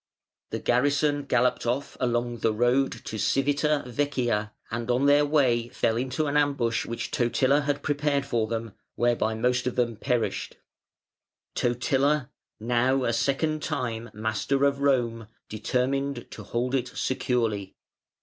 The garrison galloped off along the road to Civita Vecchia, and on their way fell into an ambush which Totila had prepared for them, whereby most of them perished (549). Totila, now a second time master of Rome, determined to hold it securely.